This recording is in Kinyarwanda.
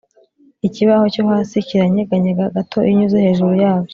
ikibaho cyo hasi kiranyeganyega gato iyo unyuze hejuru yabyo